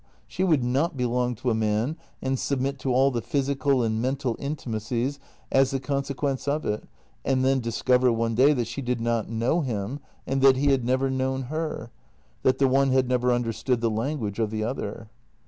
She would not belong to a man and submit to all the physical and mental intimacies as the con sequence of it, and then discover one day that she did not know him, and that he had never known her — that the one had never understood the language of the other.